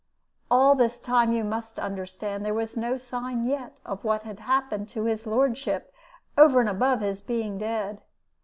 "All this time, you must understand, there was no sign yet what had happened to his lordship, over and above his being dead.